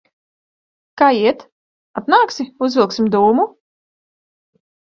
Kā iet? Atnāksi, uzvilksim dūmu?